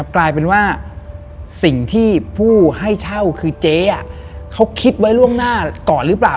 กลายเป็นว่าสิ่งที่ผู้ให้เช่าคือเจ๊เขาคิดไว้ล่วงหน้าก่อนหรือเปล่า